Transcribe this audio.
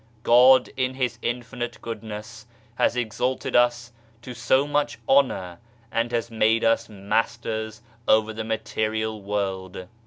God in His infinite Goodness has exalted us to so much honour, and has made us Masters over the Material World.